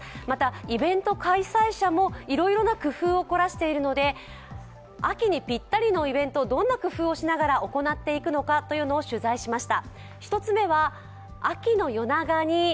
イベント開催者もいろいろな工夫を凝らしているので、秋にピッタリのイベント、どんな工夫をしながら行っていくのかを取材しました。